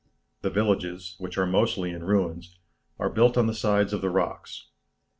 The villages, which are mostly in ruins, are built on the sides of the rocks.